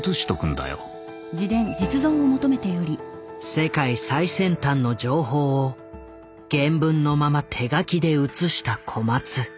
世界最先端の情報を原文のまま手書きで写した小松。